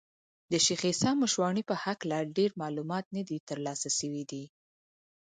د شېخ عیسي مشواڼي په هکله ډېر معلومات نه دي تر لاسه سوي دي.